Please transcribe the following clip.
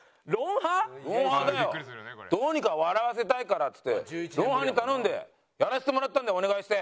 どうにか笑わせたいからっつって『ロンハー』に頼んでやらせてもらったんだよお願いして。